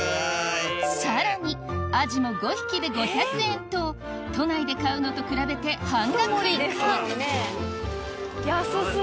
さらにアジも５匹で５００円と都内で買うのと比べて半額以下安過ぎ！